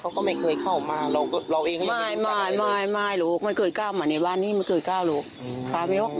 เละก้าวเลยเละก้าวนี่เห็นก้าวอยู่และเละก้าวอยู่ขวนนั้น